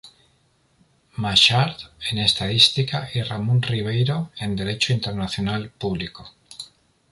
Marchand, en estadística y Ramón Ribeyro, en derecho internacional público.